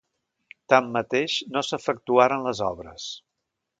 Tanmateix no s'efectuaren les obres.